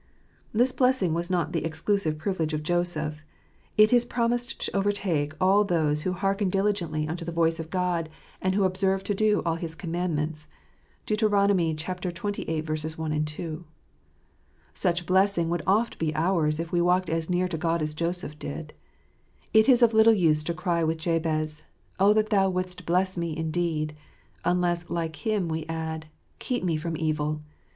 This blessing was not the exclusive privilege of Joseph : it is promised to overtake all those " who hearken diligently unto the voice of God, and 33 31 stable feample. who observe to do all His commandments " (Deut. xxviii. i, 2). Such blessing would oft be ours if we walked as near to God as Joseph did. It is of little use to cry with Jabez, " Oh that Thou wouldest bless me indeed !" unless, like him we add, " Keep me from evil."